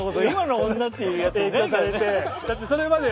「今の女」って。